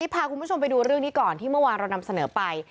พาคุณผู้ชมไปดูเรื่องนี้ก่อนที่เมื่อวานเรานำเสนอไป